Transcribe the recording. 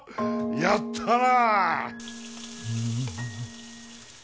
やったな